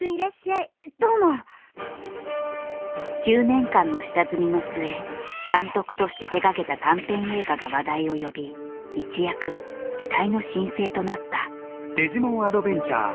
９年間の下積みの末監督として手がけた短編映画が話題を呼び一躍期待の新星となった。